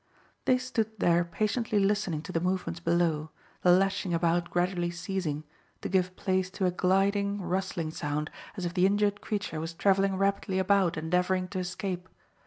They stood there patiently listening to the movements below, the lashing about gradually ceasing, to give place to a gliding, rustling sound as if the injured creature was travelling rapidly about endeavouring to escape.